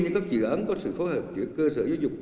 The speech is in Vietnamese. như các dự án có sự phối hợp giữa cơ sở giáo dục